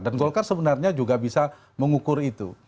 dan golkar sebenarnya juga bisa mengukur itu